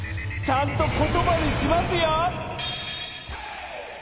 ちゃんとことばにしますよ。